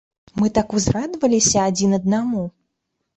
Мы так узрадаваліся адзін аднаму.